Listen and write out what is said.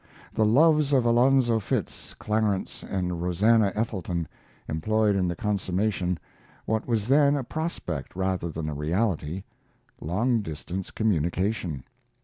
"The Loves of Alonzo Fitz Clarence and Rosannah Ethelton" employed in the consummation what was then a prospect, rather than a reality long distance communication.